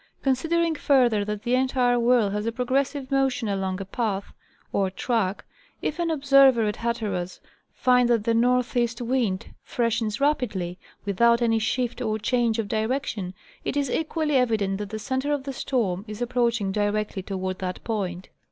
Considering, further, that the entire whirl has a progressive motion along a path, or track, if an observer at Hatteras find that the NE. wind fresh ens rapidly, without any shift or change of direction, it is equally evident that the center of the storm is approaching directly to ward that point.